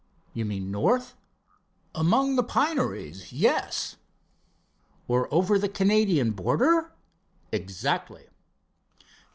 "You mean north?" "Among the pineries, yes." "Or over the Canadian border?" "Exactly."